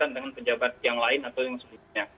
dengan pejabat yang lain atau yang sebelumnya